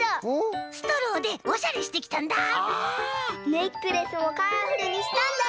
ネックレスもカラフルにしたんだよ！